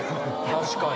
確かに。